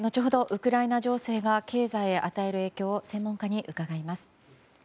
ウクライナ情勢が経済へ与える影響を専門家に伺います。